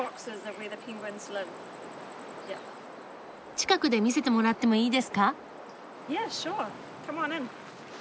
近くで見せてもらってもいいですか？